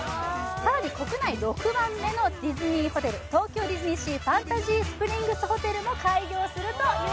更に国内６番目のディズニーホテル、東京ディズニーシー・ファンタジースプリングスホテルも開業します。